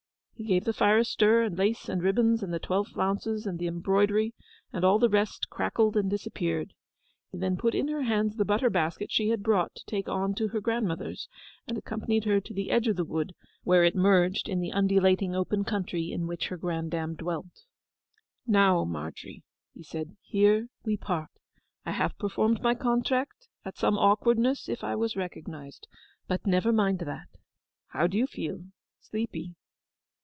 He gave the fire a stir, and lace and ribbons, and the twelve flounces, and the embroidery, and all the rest crackled and disappeared. He then put in her hands the butter basket she had brought to take on to her grandmother's, and accompanied her to the edge of the wood, where it merged in the undulating open country in which her granddame dwelt. 'Now, Margery,' he said, 'here we part. I have performed my contract—at some awkwardness, if I was recognized. But never mind that. How do you feel—sleepy?